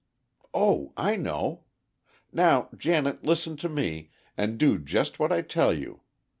Oh, I know! Now, Janet, listen to me, and do just what I tell you.